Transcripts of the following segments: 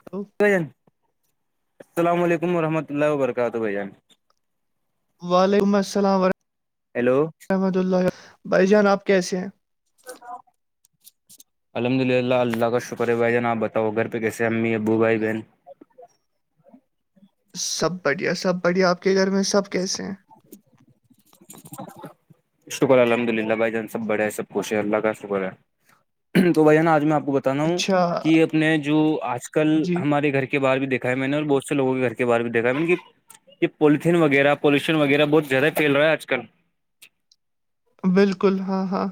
hello السلام علیکم ورحمۃ اللہ و برکاتہ بھائی جان وعلیکم السلام ورحمتہ ہیلو رحمت اللہ بھائی جان آپ کیسے ہیں [unintelligible] الحمد للہ اللہ کا شکر ہے بھائی جان آپ بتاؤ گھر پہ کیسے امی ابو بائی بہن سب بڑھیا سب بڑھیا آپ کے گھر میں سب کیسے ہیں شکر الحمد للہ بھائی جان سب بڑھیا ہے سب خوش ہے اللہ کا شکر ہے تو بھائی نا آج میں آپ کو بتانا ہوں اچھا کہ اپنے جو آج کل جی ہمارے گھر کے باہر بھی دیکھا ہے میں نے اور بہت سے لوگوں کے گھر کے باہر بھی دیکھا ہے یہ پالیتین وغیرہ وغیرہ پلوشن وغیرہ بہت زیادہ پھیل رہا آج کل بالکل ہاں ہاں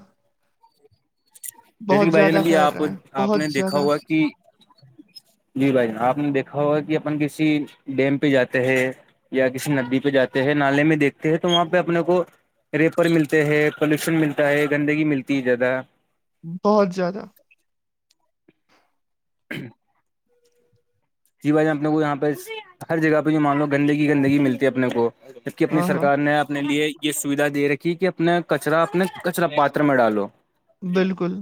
جیسے بہت زیادہ پھیل رہا ہیں بہت زیادہ ٹھیک [unintelligible] جی بھائی جان آپ نے دیکھا ہوگا کہ اپن کسی ڈیم پہ جاتے ہیں یا کسی ندی پہ جاتے ہے نالے میں دیکھتے ہیں تو وہاں پہ اپنے کو ریپر ملتے ہیں پولوشن ملتا ہے گندگی ملتی ہے زیادہ بہت زیادہ ہ جی بھائی جان اپنے کو یہاں پہ ہر جگہ پہ جو مان لو گندگی گندگی ملتی ہے اپنے کو جبک اپنی ہاں ہاں سرکار نے اپنے لیے یہ سویدھا دے رکھی کہ اپنے کچرا اپنے کچرا پاتر میں ڈالو ا بالکل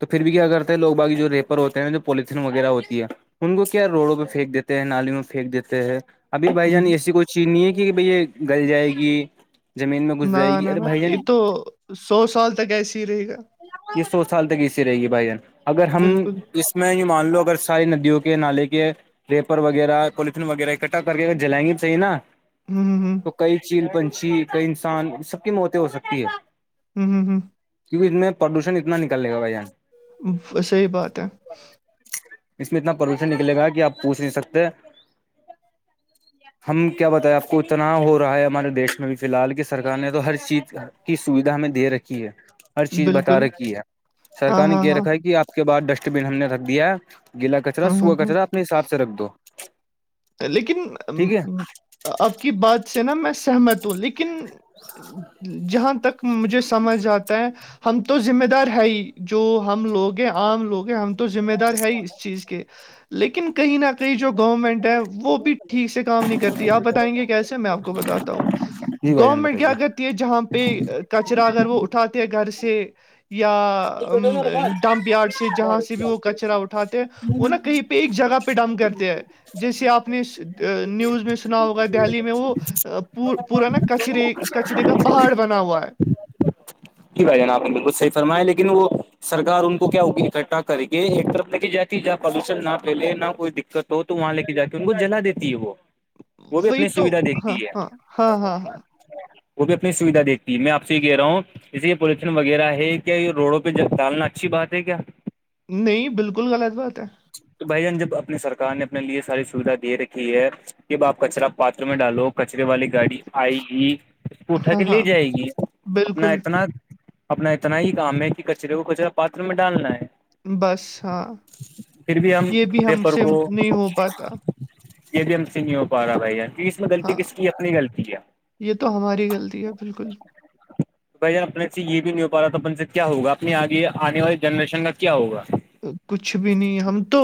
تو پھر بھی کیا کرتے ہے لوگ باقی جو ریپر ہوتے ہیں جو پولیتھین وغیرہ ہوتی ہے ان کو کیا روڈوں پہ پھینک دیتے ہیں نالیوں میں پھییک دیتے ہیں ابھی بھائی جان ب- ایسی کوئی چینی ہے کہ بھیا یہ گل جائے گی زمین میں گھس نہ جائے گی نہ ارے نہ بھائی جان یہ تو سو سال تک ایسے ہی رہے گا یہ سو سال تک اسی رہے گی بھائی جان اگر ہم بالکل اس میں یہ مان لو اگر ساری ندیوں کے نالے کے ریپر وغیرہ وہ پالتھین وغیرہ اکٹھا کر کے اگر جلائیں گے صحیح نا ہوں ہوں تو کئی چیل پنچھی کئی انسان سب کی موتیں ہو سکتی ہے ہوں ہوں ہوں کیونکہ اس میں پردوشن اتا نکل لے گا بھائی جان صحیح بات ہے اس میں اتنا پلوشن نکلے گا کہ آپ پوچھ نہیں سکتے [unintelligible] ہم کیا بتائے آپ کو اتنا ہو رہا ہے ہمارے دیش میں بھی فی الحال کی سرکار نے تو ہر چیز کی سویدھا ہمیں دے رکھی ہے ہر چیز بتا بالکل رکھی ہے ہاں سرکار نے ہاں کہہ ہاں رکھا ہے کہ آپ باہر ڈسٹ بن ہم نے رکھ دیا گیلا کچرا ہوں ہوں سوخا ہوں کچرا اپنے حساب سے رکھ دو لیکن ٹھیک ہے آپ کی بات سے نا میں سہمت ہوں لیکن جہاں تک مجھے سمجھ آتا ہے ہم تو ذمہ دار ہے ہی جو ہم لوگ ہیں عام لوگ ہیں ہم ذمہ دار ہے ہی اس چیز کے لیکن کہی نہ کہی جو گورنمنٹ ہے وہ وہ بھی ٹھیک سے کام نہیں کرتی آپ بتائیں گے کیسے میں آپ کو بتاتا ہوں جی بھائی جان گورنمنٹ کیا بتائیے کرتی ہے جہاں پہ کچرا اگر وہ اٹھاتے ہیں گھر سے یا ڈمپ یارڈ سے جہاں سے بھی وہ کچرا اٹھاتے ہیں وہ نا کہیں پہ ایک جگہ پہ ڈمپ کرتے ہیں جیسے آپ اپ نے نیوز میں سنا ہوگا دہلی میں وہ پورا نا کچرے کچرے کا پہاڑ بنا ہوا ہے جی بھائی جان آپ نے بالکل صحیح فرمائے لیکن وہ سرکار ان کو کیا ہوگی اکٹھا کرے گی ایک طرف لکے جائے ہے جہاں پلوشن نہ پھیلے نہ کوئی دقت ہو تو وہاں لے کے جا کے ان کو جلا دیتی ہے وہ وہ بھی وہی اپنی تو سویدھا دیکھتی ہاں ہے ہاں ہاں ہاں ہاں وہ بھی اپنی سویدھا دیکتی ہے میں آپ سے یہ کہہ رہا ہوں جیسے یہ پولوشن وغیرہ ہے کیا یہ روڈوں پہ جب ڈالنا اچھی بات ہے کیا نہیں بالکل غلط بات ہے تو بھائی جان جب اپنی سرکار نے اپنے لیے ساری سویدھا دے رکھی ہے کہ اب آپ کچرا پاتروں میں ڈالو کچرے والی گاڑی آئے گی وہ اٹھا ہاں کے لے ہاں جائے گی اپنا بالکل اتنا اپنا اتنا ہی کام ہے کہ کچرے کو کچرا پاتروں میں ڈالنا ہے بس ہاں پھر بھی ہم یہ بھی ہم ریپر سے کو نہیں ہو پاتا یہ بھی ہم سے نہیں ہو پا رہا بھائی جان اس غلط ہاں کس کی اپنی غلطی ہے یہ تو ہماری غلطی ہے بالکل بھائی جان اپنے سے یہ بھی نہیں ہو پاتا تو اپن سے کیا ہوگا اپنے آگے آنے والے جنریشن کا کیا ہوگا کچھ بھی نہیں ہم تو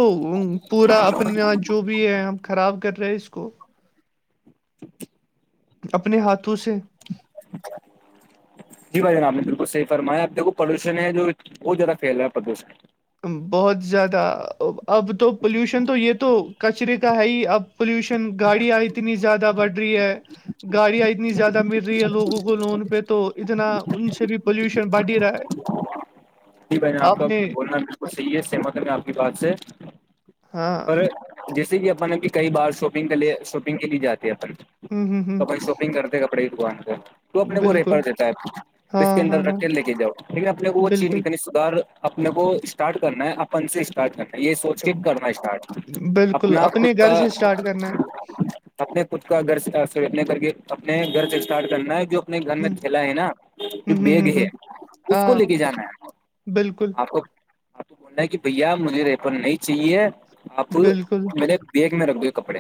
پورا اپنا جو تو بھی ہے ہم خراب کر رہے ہیں اس کو [inaudible] اپنے ہاتھوں سے [inaudible] جی بھائی جان آپ نے بالکل صحیح فرمایا آپ دیکو پلوشن ہے جو بہت زیادہ پھیل رہا ہے پردوشن بہت زیادہ اب تو پولوشن تو یہ تو کچرے کا ہے ہی اب پولوشن گاڑیاں اتنی زیادہ بڑھ رہی ہے گاڑیاں اتنی زیادہ مل رہی ہے لوگوں کو لون پہ تو اتنا ان سے بھی پالوشن بڑھ ہی رہا ہے جی بھائی جان آپ کا بولنا بالکل صحیح ہے سہمت ہوں میں آپ کی بات سے ہاں پر جیسے کہ اپن اب کئی بار شاپنگ کے لیے شاپنگ کے لیے جاتے ہیں اپن ہوں ہوں تو ہوں اپن شاپنگ کرتے ہیں کپڑے کی دکان پہ تو اپنے کو ریپر بالکل دیتا ہے ہاں اس کے ہاں اندر رکھ ہاں کے لے کے جاؤ لیکن اپنے کو وہ چیز بالکل نہیں کرنی اپنے کو اسٹارٹ کرنا ہے اپن سے اسٹارٹ کرنا یہ سوچ کے کر اسٹارٹ بالکل اپنا خود اپنے کا گھر سے اسٹارٹ کرنا ہے اپنے خود کا گھر س اپنے گھر کے اپنے گھر سے اسٹارٹ کرنا ہے جو [unintelligible] نہیں گھر میں ہوں تھیلا ہے نا جو ہوں ہوں بیگ ہوں ہے اس کو لے کے جانا ہے بلکل آپ کو آپ کو بولنا ہے کہ بھیا مجھے ریپن نہیں چاہیے آپ بالکل مے بیگ میں رکھ دو یہ کپڑے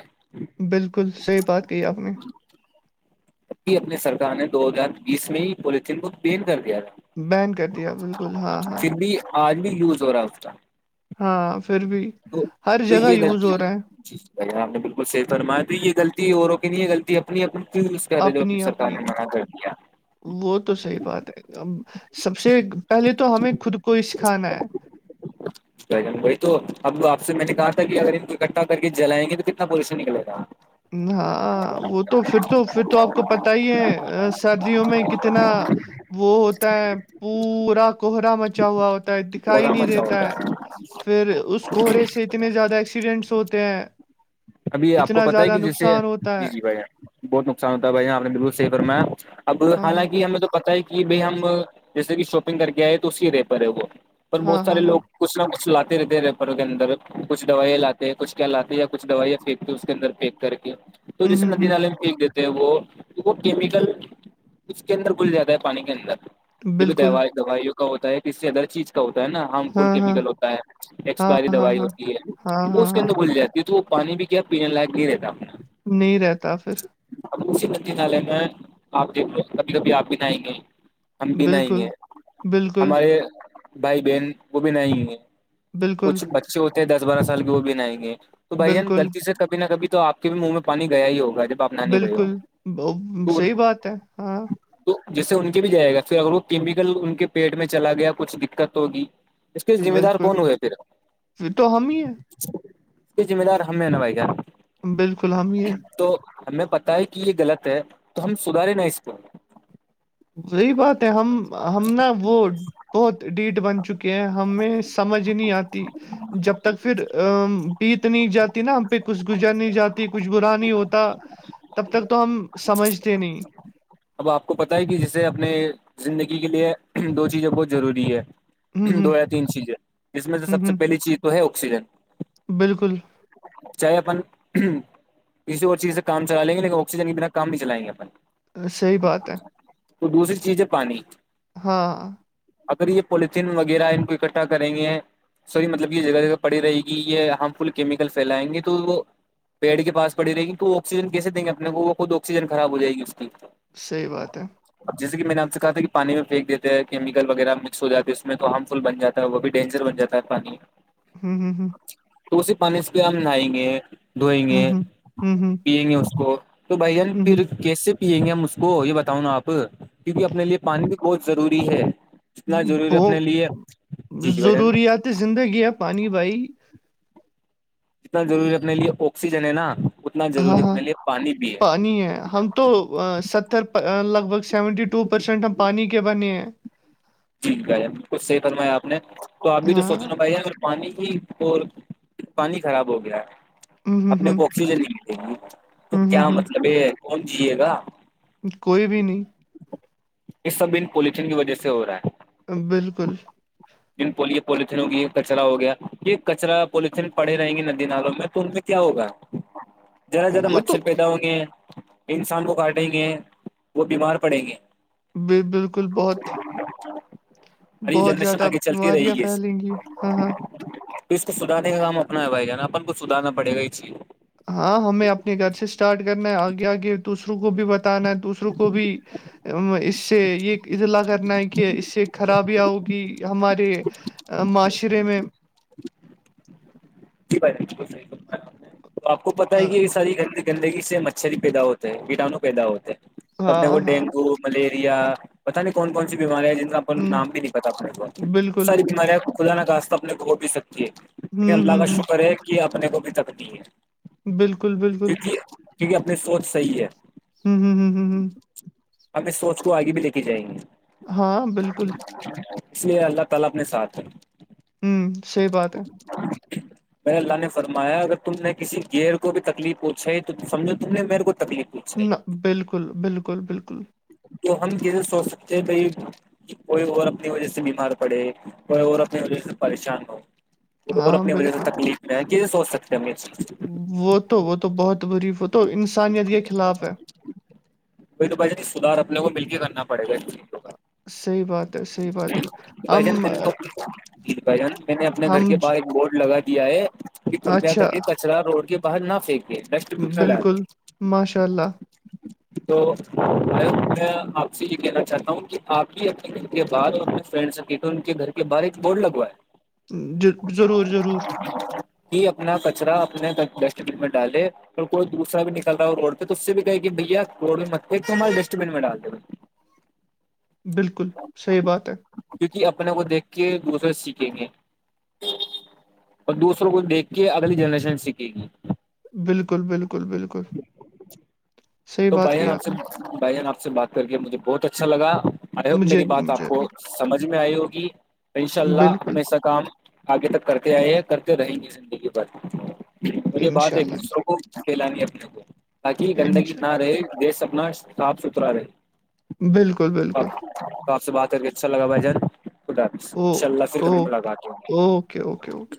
بلکل صحیح بات کہی آپ نے اپنے سرکار نے دو ہزار بیس میں ہی پولیتین کو پین کر دیا تھا بین کر دیا بلکل ہاں ہاں پھر بھی آج بھی یوز ہو رہا اسکا ہاں پھر بھی ہر جگہ یوز ہو رہا ا ہم نے بلکل صحیح فرمایا تو یہ غلطی اوروں کی نہیں یہ غلطی اپنی اپ جو کی اپنی سرار نے اپنی مناات کر [inaudible] وہ تو صحیح بات ہے سب سے پہلے تو ہمیں خود کو سکھانا ہے بہی تو اب آپ سے میں نے کہا تھا کہ اگر ان کو اکٹھا کر کے جلائیں گے تو کتنا پولیشن نکلے گا ہ وہ تو پھر تو پھر تو آپ کو پتہ ہی ہے سردیوں میں کتنا وہ ہوتا ہے پورا کوہرا مچا ہوا ہوتا ہے د کہرا مچا ہوتا ہے پھر اس کوہرے سے اتنے زیادہ ایکسیڈنٹس ہوتے ہیں ابھی آپ کو اتنا پتا ہے زیادہ کہ جیسے نقصان ہوتا جی ہے جی بھایی جان بہت نقصان ہو ہے بھائی جان آپ نے بالکل صحیح فرمایا اب ہاں ہاں حالانکہ ہمیں تو پتہ ہے کہ بھائی ہم جیسے کہ شاپنگ کر کے آئے تو اسی رے پر ہے وہ پر بہت ہاں سارے ہاں ہاں لوگ کچھ نہ کچھ لاتے رہتے ہیں ریپروں کے اندر کچھ دوائیاں لاتے ہیں کچھ کیا لاتے یا کچھ دوائییاں پھی کے اس کے اندر پییک کر کے تو ہوں جیسے ہوں ندی نالے میں پھینک دیتے ہیں وہ وہ کیمیکل اس کے اندر گھل جاتا ہے پانی کے اندر ہوں جو بھی بالکل دوائی دوائیوں کا ہوتا ہے اس سے اندر چیز ہوتا ہے نا ہارم فل ہاں ہاں کیمیکل ہوتا ہے ہاں ایکسپائری ہاں دوائی ہاں ہوتی ہاں ہے وہ ہاں اس کے ہاں اندر گل جاتی ہے یہ تو وہ پانی بھی کیا پینے لائق نہیں رہتا نہیں رہتا پھر اب اسی ندی نالے میں آپ دیکھو کبھی کبھی آپ بھی نہائیں گے ہم بھی نہاینگے بالکل گے بالکل ہمارے بھائی بہن وہ بھی نہاینگے بالکل کچھ بچے ہوتے ہیں دس بارہ سال کے وہ بھی نہاینگے تو بھایی جان بالکل غلطی سے کبھی نہ کبھی تو آپ کے بھی منہ میں پانی گیا ہی ہوگا آپ نہانے گئے ہوں بلکل گے ب تو ان صحیح بات ہے ہاں تو جیسے ان کے بھی جائے گا پھر اگر وہ کیمیکل ان کے پیٹ میں چلا گیا کچھ دقت ہوگی اس کے ذمہ دار بالکل کون ہو گئے پھر پھر تو ہم ہی ہیں اسکے ذمہ دار ہمیں نا بھائی جان بلکل ہم ہی ہیں تو ہمیں پتا ہے کہ یہ غلط ہے تو ہم سدھارے نا اس کو وہی بات ہے ہم ہم نا وہ بہت ڈھیٹ بن چکے ہیں ہمیں سمجھ نہیں آتی جب تک پھر بیت نہیں جاتی نا ہم پہ کچھ گزر نہیں جاتی کچھ برا نہیں ہوتا تب تک تو ہم سمجھتے نہیں اب آپ کو پتہ ہے کہ جسے اپنے زندگی کے لیے دو چیزیں بہت ضروری ہے ہوں دو ہوں یا تین چیزیں جس میں سے ہوں سب سے ہوں پہلی چیز تو ہے آکسیجن بالکل چاہے اپن کسی اور چیز سے کام چلا لیں گے لیکن آکسیجن کہ بنا کام نہیں چلیں گے اپن صحیح بات ہے وہ دوسری چیز ہے پانی ہاں اگر یہ پولیتھیین وغیرہ ان کو اکٹھا کریں گے سوری مطلب یہ جگہ جگہ پڑی رہے گی یہ ہارم فل کیمکل فھیلائیں گے تو وہ پیڑ کے پاس پڑی رہے گی تو وہ آکسیجن کیسے دیں گے اپنے کو وہ خود آکسیجن خراب ہو جائے گی اس کی صحیح بات ہے اب جیسے کہ میں نے آپ سے کہا تھا کہ پانی میں پنیک دیتے ہیں کیمیکل وغیرہ میں سو جاتی اس میں تو ہارم فل بن جاتا ہے وہ بھی ڈینجر بن جاتا ہے پانی ہوں ہوں ہوں تو اسی پانی سے پہ ہم نہائیں گے دھوئیں گے ہوں ہوں ہوں ہوں پیئیں گے اس کو تو بھائی جان ہوں پھر ہوں کیسے پیئیں گے ہم اس کو یہ بتاؤں نا آپ کیونکہ اپنے لیے پانی بھی بہت ضروری ہے جتنا ضروری وہ اپنے لیے جی جی بھائی جان ضروریات زندگی ہے پانی بھائی جتنا ضروری ہے اپنے لیے آکسیجن ہے نا اتنا ہاں ضروری ہاں اپنے لیے پانی بھی ہے پانی ہے ہم تو ستر لگ بھگ سیونٹی ٹو پرسینٹ ہم پانی کے بنے ہیں جی بھائی جان بالکل صحیح فرمایا آپ تو آپ بھی تو ہاں سوچنا بھائی جان پانی ہی اور پانی خراب ہو گیا ہے ہوں ہوں اپنے ہوں کو آکسیجن ہی تو ہوں ہوں کیا ہوں مطلب ہے یہ کون جیے گا کوئی بھی نہیں یہ سب ان پولتھن کی وجہ سے ہو رہا ہے بالکل جن پلیے پولیتھین ہوگی یہ کچرا ہو گیا یہ کچرا پولیتھین پڑے رہیں گے ندی نالوں میں تو کیا ہوگا [inaudible] [inaudible] زیادہ زیادہ وہ تو مچھر پیدا ہوں گے انسان کو کاٹیں گے وہ بیمار پڑیں گے ب بالکل بہت [inaudible] اور یہ بہت جنریشن زیادہ آگے چلتی رہے بیماریاں اس پھیلیں گی ہاں ہاں تو اس کو سدھارنے کا کام اپنا ہے بھائی جان اپن کو سدھارنا پڑے گا یہ چیز ہاں ہمیں اپنے گھر سے اسٹارٹ کرنا ہے آگے آگے دوسروں کو بھی ب تانا دوسروں کو بھی اس سے یہ اطلاع کرنا ہے کہ کہ اس سے خرابیاں ہوگی ہمارے معاشرے میں جی بھائی جان بالکل صحیح فرمایا اپ نے تو آپ کو پتہ ہی ہے ہاں کہ یہ ساری گندگی گندگی سے مچھر ہی پیدا ہوتے ہیں کیڑانوں پیدا ہوتے ہیں اپنے کو ہاں ہاں ڈینگو ملیریا پتاہ نہیں کون کون سی بیماریاں جن کا اپ ہوں نام بھی نہیں پتا اپ وہ بالکل ساری بیماریاں [inaudible] ہوں ال ہوں کا ہوں شکر ہے کہ اپنے کو بھی تکنی ہے بالکل بالکل کی کیونکہ اپنی سوچ صحیح ہے ہوں ہوں ہوں ہم اس سوچ کو آگے بھی لے کے جائیں گے ہاں بالکل اس لیے اللہ تعالی اپنے ساتھ ہے ہوں صحیح بات ہے ہ [inaudible] [inaudible] م اللہ نے فرمایا اگر تم نے کسی گئر کو بھی تکلیف پوچھائی ہے تو سمجھو تم نے میرے کو تکلیف پہنچائی نہ بالکل بالکل بالکل تو ہم کیسے سوچ سکتے ہیں بائی کوئی اور اپنی وجہ سے بیمار پڑے کوئی اور اپنی وجہ سے پریشان ہو اور ہاں اپنی وجہ سے بالکل تکلیف میں ہے کہ سوچ سکتے ہیں ہممی وہ تو وہ تو بہت بری تو انسانیت کے خلاف ہے ب تو بھ نہیں سدھار اپنے کو مل کے کرنا پڑے گا کا صحیح بات ہے صحیح بات ہے بھ جن ہم نے تو بھ جن میں نے اپنے گھر کے ہم پاس بورڈ لگا دیا ہے کہ کرپیا کر اچھا کے کچرا روڈ کے باہر نہ پھینک [inaudible] بالکل ماشاء اللہ تو میں آپ سے یہ کہنا چاہتا ہوں کہ آپ بھی اپنے گھر کے بعد اور اپنے فرینڈس اپ تو ان کے گھر کے باہر ایک بورڈ لگوا ہے ج ضرور ضرور ہی اپنا کچرا اپنے ڈسٹ بین میں ڈالے ا کوئی دوسرا بھی نکل رہا ہو روڈ پہ تو اس سے بھی کہے کہ بھیا روڈ میں مت تو ہمارے ڈسٹ بین میں ڈال د [inaudible] بالکل صحیح بات ہے کیونکہ اپنے کو دیکھ کے دوسرے سیکھیں گے اور دوسروں کو دیکھ کے اگلی جنریشن سیکھے گی بالکل بالکل بالکل صحیح تو بات بھائی جن کی آپ سے نے بھ جان آپ سے بات کر کے مجھے بہت اچھا لگا آئی ہوپ مجھے میری بھی بات آپ مجھے کو بھی سمجھ میں آئی ہوگی ان شاء اللہ بالکل ہمیشہ کام آگے تک کرتے آئے ہیں کرتے رہیں گے زندگی ب اور یہ بات ایک انشاءاللہ دوسروں کو ھیلانی اپنے کو تاکہ گندگی نہ انشاءاللہ رہے دیش اپنا صاف ستھرا رہے بالکل تو آپ سے بات کر کے اچھا لا بھائی جان خدا ان شاء اللہ پھر ت ملاقات ہو اوک اوکے اکے